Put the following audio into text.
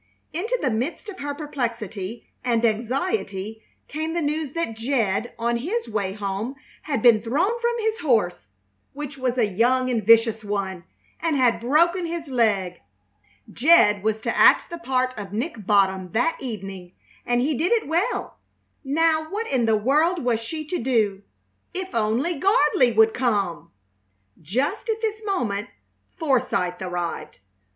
Into the midst of her perplexity and anxiety came the news that Jed on his way home had been thrown from his horse, which was a young and vicious one, and had broken his leg. Jed was to act the part of Nick Bottom that evening, and he did it well! Now what in the world was she to do? If only Gardley would come! Just at this moment Forsythe arrived.